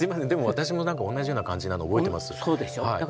私も同じような感じなの覚えてます。